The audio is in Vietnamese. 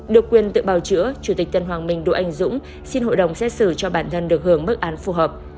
được quyền tự bào chữa chủ tịch tân hoàng minh đỗ anh dũng xin hội đồng xét xử cho bản thân được hưởng mức án phù hợp